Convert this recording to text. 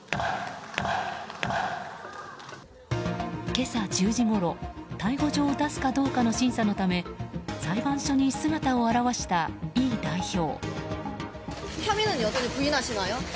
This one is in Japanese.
今朝１０時ごろ、逮捕状を出すかどうかの審査のため裁判所に姿を現したイ代表。